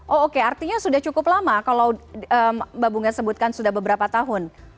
oh oke artinya sudah cukup lama kalau mbak bunga sebutkan sudah beberapa tahun